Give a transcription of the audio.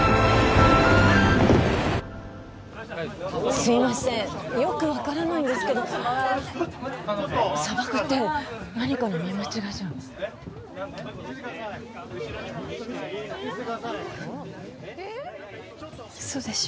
すいませんよく分からないんですけど砂漠って何かの見間違いじゃ嘘でしょ